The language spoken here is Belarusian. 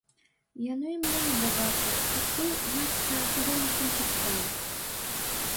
Яно і мне не да жартаў, хачу, значыцца, сягоння скончыць справу.